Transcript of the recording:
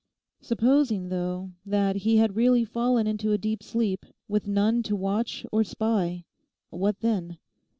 Supposing, though, that he had really fallen into a deep sleep, with none to watch or spy—what then?